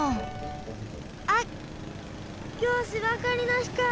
あっきょう芝かりのひか！